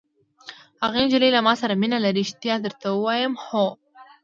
هغه نجلۍ له ما سره مینه لري! ریښتیا درته وایم. هو.